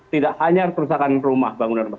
tidak hanya kerusakan rumah bangunan rumah